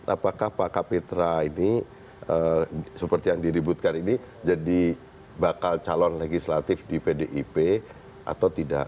apakah pak kapitra ini seperti yang diributkan ini jadi bakal calon legislatif di pdip atau tidak